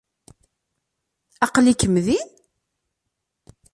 Aql-ikem din!